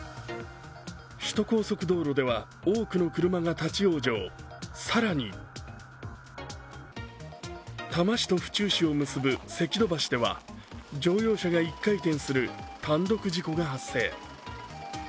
首都高速道路では多くの車が立往生、更に、多摩市と府中市を結ぶ関戸橋では、乗用車が１回転する単独事故が発生。